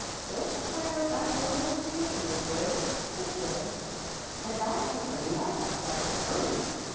Don't acquire a back row reputation, Miss Wales. Good day,' and I can tell you I backed out in a hurry."